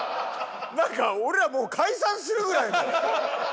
なんか俺らもう解散するぐらいの。